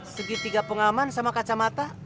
segitiga pengaman sama kacamata